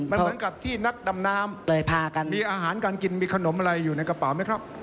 มันเหมือนกับที่นักดำน้ำเลยพากันมีอาหารการกินมีขนมอะไรอยู่ในกระเป๋าไหมครับ